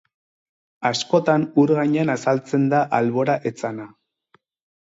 Askotan ur gainean azaltzen da albora etzana.